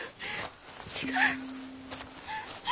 違う！